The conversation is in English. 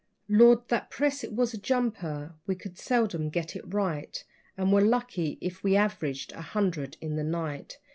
..... Lord, that press! It was a jumper we could seldom get it right, And were lucky if we averaged a hundred in the night.